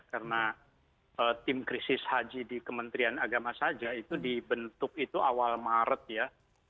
karena tim krisis haji di kementerian agama saja itu dibentuk itu awal maret ya